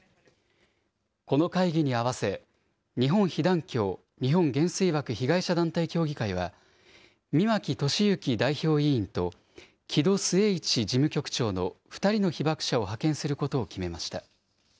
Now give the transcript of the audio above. この会議に合わせ、日本被団協・日本原水爆被害者団体協議会は、箕牧智之代表委員と、木戸季市事務局長の２人の被爆者を派遣することを決めました。